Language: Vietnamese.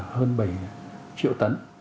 hơn bảy triệu tấn